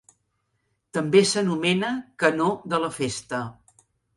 També s'anomena Canó de la Festa.